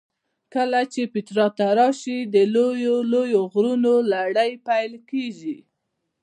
چې کله پیترا ته راشې د لویو لویو غرونو لړۍ پیل کېږي.